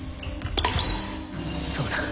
そうだ